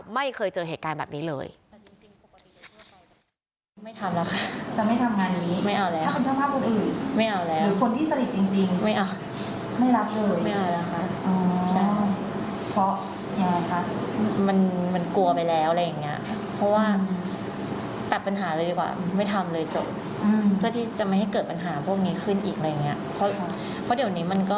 ไม่เคยเจอเหตุการณ์แบบนี้เลย